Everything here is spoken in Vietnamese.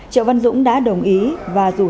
triệu văn dũng đã đồng ý và rủ